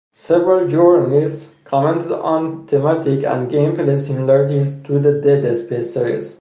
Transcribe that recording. Several journalists commented on thematic and gameplay similarities to the "Dead Space" series.